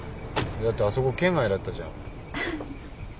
だってあそこ圏外だったじゃん。